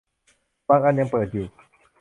บางอันยังเปิดอยู่